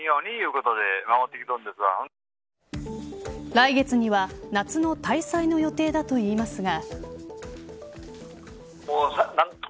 来月には夏の大祭の予定だといいますが。